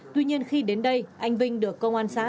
tuy nhiên khi đến đây anh vinh được công an xã